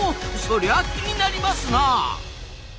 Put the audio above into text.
そりゃあ気になりますなあ。